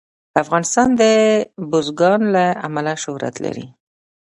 افغانستان د بزګان له امله شهرت لري.